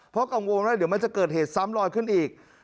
เพราะกังวลว่าเดี๋ยวมันจะเกิดเหตุซ้ำลอยขึ้นอีก